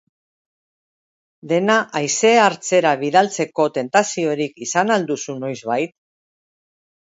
Dena haizea hartzera bidaltzeko tentaziorik izan al duzu noizbait?